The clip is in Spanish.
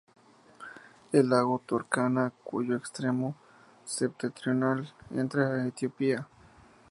El lago Turkana, cuyo extremo septentrional entra en Etiopía.